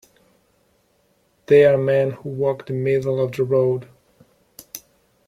They are men who walk the middle of the road.